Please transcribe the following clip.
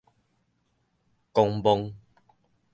狂妄